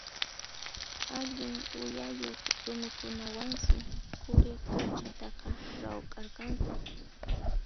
Allin uyayuq rumikunawansi Quri kanchataqa rawkharqanku.